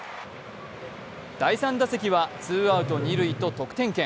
第３打席はツーアウト、二塁と得点圏。